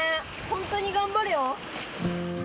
本当に頑張れよ。